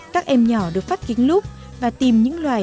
các em nhỏ được phát kính lúc và tìm những loài